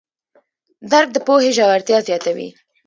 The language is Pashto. درک د پوهې ژورتیا زیاتوي.